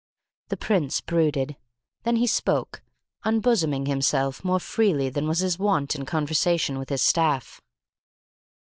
The Prince brooded. Then he spoke, unbosoming himself more freely than was his wont in conversation with his staff.